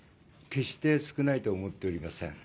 決して少ないと思っておりません。